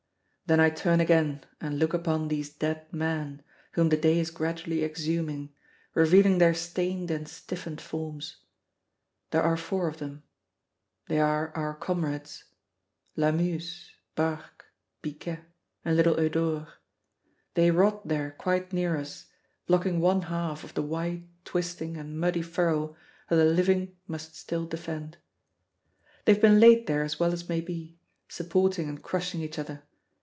Then I turn again and look upon these dead men whom the day is gradually exhuming, revealing their stained and stiffened forms. There are four of them. They are our comrades, Lamuse, Barque, Biquet, and little Eudore. They rot there quite near us, blocking one half of the wide, twisting, and muddy furrow that the living must still defend. They have been laid there as well as may be, supporting and crushing each other.